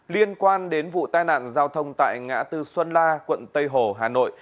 liên quan đến vụ tai nạn giao thông tại ngã tư xuân la quận tây hồ hà nội